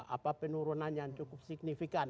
apa penurunan yang cukup signifikan